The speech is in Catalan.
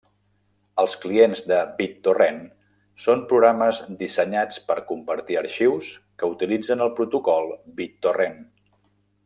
Els clients de BitTorrent són programes dissenyats per compartir arxius que utilitzen el protocol BitTorrent.